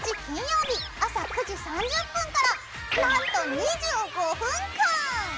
金曜日朝９時３０分からなんと２５分間！